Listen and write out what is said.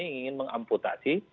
ini ingin mengamputasi